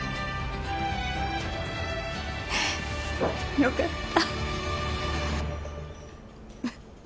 よかった。